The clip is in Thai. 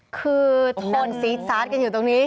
คือโทนซีดซาสกันอยู่ตรงนี้